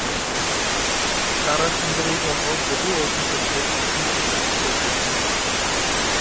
তারা সুন্দরী-সহ বহু অভিনেত্রীর সংগীত শিক্ষক ছিলেন তিনি।